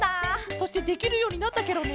そしてできるようになったケロね。